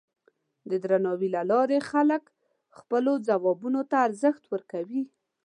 د درناوي له لارې خلک خپلو ځوابونو ته ارزښت ورکوي.